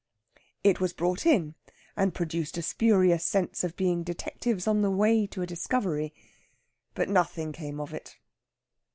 It was brought in, and produced a spurious sense of being detectives on the way to a discovery. But nothing came of it.